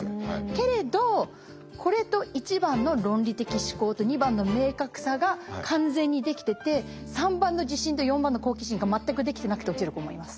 けれどこれと１番の論理的思考と２番の明確さが完全にできてて３番の自信と４番の好奇心が全くできてなくて落ちる子もいます。